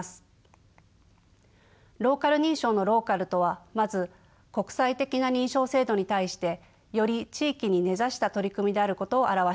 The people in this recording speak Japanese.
ローカル認証のローカルとはまず国際的な認証制度に対してより地域に根ざした取り組みであることを表しています。